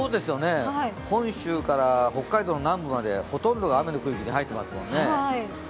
本州から北海道南部までほとんどが雨の区域に入ってますね。